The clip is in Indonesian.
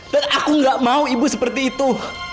dan aku gak mau ibu seperti itu